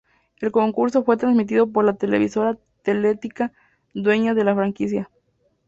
El concurso fue transmitido por la televisora Teletica dueña de la franquicia.